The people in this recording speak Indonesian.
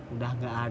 udah ngga ada